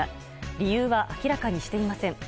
理由は明らかにしていません。